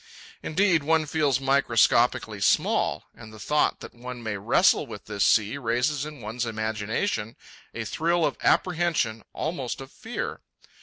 Indeed, one feels microscopically small, and the thought that one may wrestle with this sea raises in one's imagination a thrill of apprehension, almost of fear.